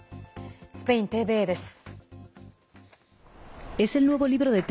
スペインＴＶＥです。